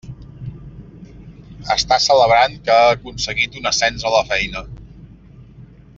Està celebrant que ha aconseguit un ascens a la feina.